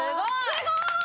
すごーい！